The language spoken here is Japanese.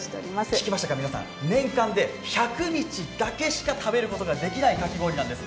聞きましたか皆さん、年間で１００日しか食べることができないかき氷屋さんなんです。